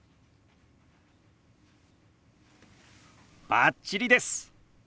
バッチリです！